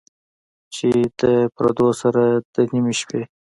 چې د پردو سره، د نیمې شپې،